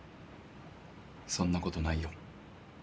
そんなことないよ。